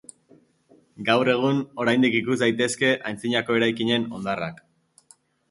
Gaur egun oraindik ikus daitezke antzinako eraikinen hondarrak.